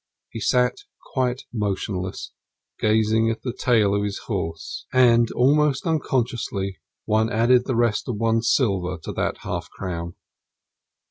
He sat quite motionless, gazing at the tail of his horse. And, almost unconsciously, one added the rest of one's silver to that half crown.